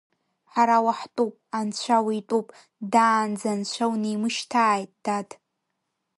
Ҳара уаҳтәуп, Анцәа уитәуп, даанӡа Анцәа унеимышьҭааит, дад!